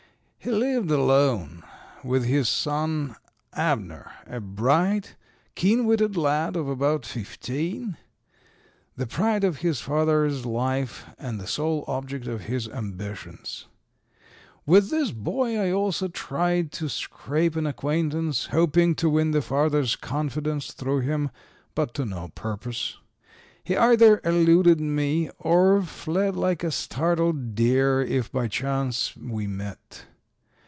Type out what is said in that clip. He lived alone with his son Abner, a bright, keen witted lad of about fifteen, the pride of his father's life and the sole object of his ambitions. With this boy I also tried to scrape an acquaintance, hoping to win the father's confidence through him, but to no purpose. He either eluded me or fled like a startled deer if by chance we met.